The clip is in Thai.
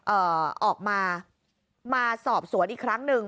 เอ่อออกมามาสอบสวนอีกครั้งหนึ่ง